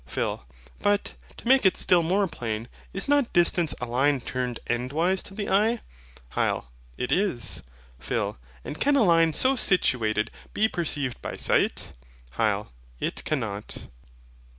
PHIL. But, to make it still more plain: is not DISTANCE a line turned endwise to the eye? HYL. It is. PHIL. And can a line so situated be perceived by sight? HYL. It cannot.